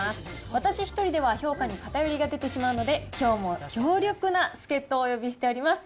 私一人では評価に偏りが出てしまうので、きょうも強力な助っ人をお呼びしております。